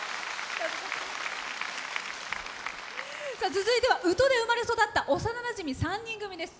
続いては宇土で生まれ育った幼なじみ３人組です。